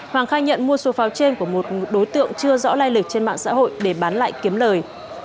hoàng khai nhận mua số pháo trên của một đối tượng chưa rõ lai lịch trên mạng xã hội để bán lại kiếm lời